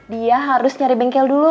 dia harus nyari bengkel dulu